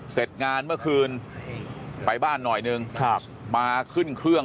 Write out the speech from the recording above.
เสร็จงานเมื่อคืนไปบ้านหน่อยนึงครับมาขึ้นเครื่อง